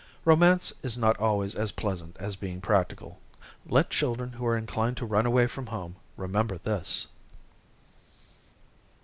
Romance is not always as pleasant as being practical. Let children who are inclined to run away from home, remember this.